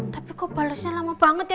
tapi kok balesnya lama banget ya